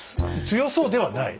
強そうではない。